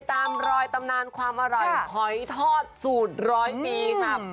ตามรอยตำนานความอร่อยหอยทอดสูตรร้อยปีค่ะ